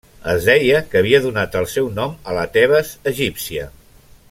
Es deia que havia donat el seu nom a la Tebes egípcia.